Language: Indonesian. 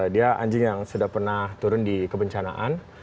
dia anjing yang sudah pernah turun di kebencanaan